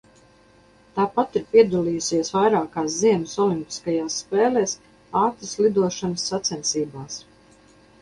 Tāpat ir piedalījusies vairākās ziemas olimpiskajās spēlēs ātrslidošanas sacensībās.